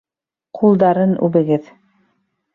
Ҡулдарын үбегеҙ.